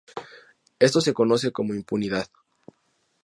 Esto se conoce como impunidad.